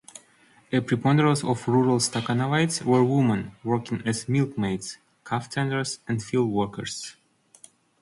A preponderance of rural Stakhanovites were women, working as milkmaids, calf tenders, and fieldworkers.